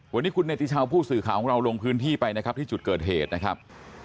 วันนี้คุณเนติชาวผู้สื่อข่าวของเราลงพื้นที่ไปนะครับที่จุดเกิดเหตุนะครับ